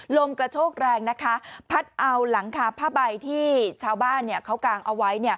ลมกระโชกแรงนะคะพัดเอาหลังคาผ้าใบที่ชาวบ้านเขากางเอาไว้